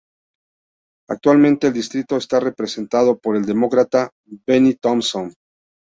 Actualmente el distrito está representado por el Demócrata Bennie Thompson.